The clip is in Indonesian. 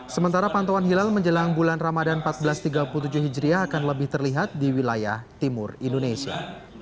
sementara pantauan hilal menjelang bulan ramadan seribu empat ratus tiga puluh tujuh hijriah akan lebih terlihat di wilayah timur indonesia